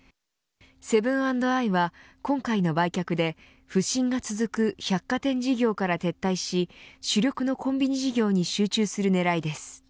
セブン＆アイは今回の売却で不振が続く百貨店事業から撤退し主力のコンビニ事業に集中する狙いです。